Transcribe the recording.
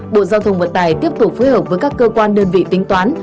bộ giao thông vận tải tiếp tục phối hợp với các cơ quan đơn vị tính toán